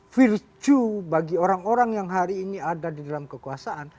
virtue bagi orang orang yang hari ini ada di dalam kekuasaan